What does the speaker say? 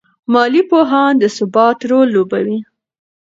مالي پوهان د ثبات رول لوبوي.